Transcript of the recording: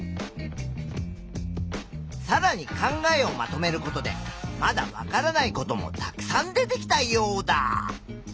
さらに考えをまとめることでまだわからないこともたくさん出てきたヨウダ！